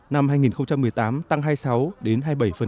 năm hai nghìn một mươi tám tăng hai mươi sáu đến hai mươi bảy